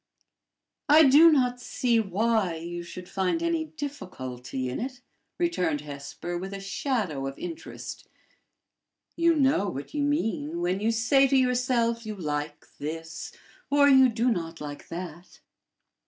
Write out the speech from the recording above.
"I do not see why you should find any difficulty in it," returned Hesper, with a shadow of interest. "You know what you mean when you say to yourself you like this, or you do not like that."